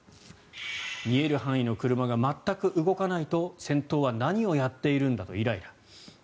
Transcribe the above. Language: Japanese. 見える範囲の車が全く動かないと先頭は何をやっているんだとイライラ。